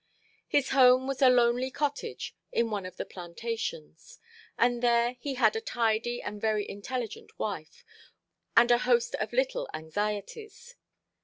His home was a lonely cottage in one of the plantations, and there he had a tidy and very intelligent wife, and a host of little anxieties.